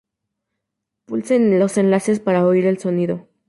Pulsa en los enlaces para oír el sonido.